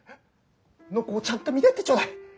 暢子をちゃんと見てやってちょうだい。